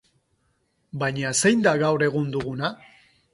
Baina zein da gaur egun duguna?